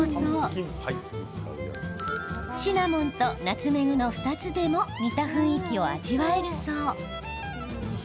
シナモンとナツメグの２つでも似た雰囲気を味わえるそう。